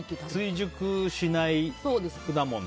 追熟しない果物。